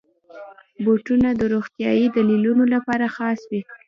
بوټونه د روغتیايي دلیلونو لپاره خاص وي.